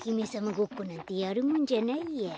ごっこなんてやるもんじゃないや。